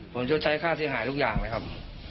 ผมจะใช้ฆ่าเสียหายอันทุกอย่างครับ